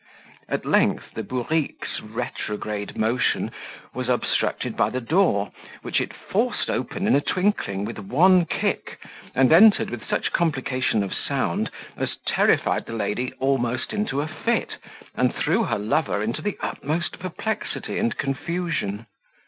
At length the bourrique's retrograde motion was obstructed by the door, which it forced open in a twinkling, with one kick, and entered with such complication of sound as terrified the lady almost into a fit, and threw her lover into the utmost perplexity and confusion.